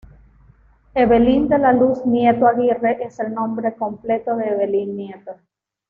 Evelyn de la Luz Nieto Aguirre es el nombre completo de Evelyn Nieto.